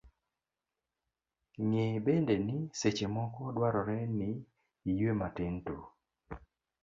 Ng'e bende ni seche moko dwarore ni iyue matin tu.